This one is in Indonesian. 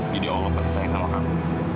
jadi allah bersayang sama kamu